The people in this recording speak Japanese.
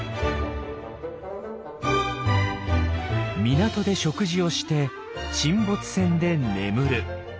港で食事をして沈没船で眠る。